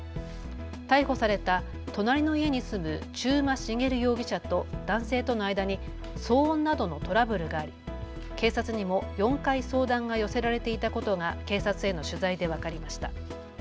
逮捕された隣の家に住む中馬茂容疑者と男性との間に騒音などのトラブルがあり警察にも４回相談が寄せられていたことが警察への取材で分かりました。